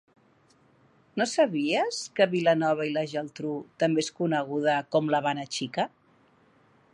No sabies que Vilanova i la Geltrú també és coneguda com l'Havana Xica?